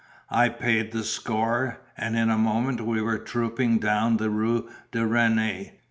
I paid the score, and in a moment we were trooping down the Rue de Renne.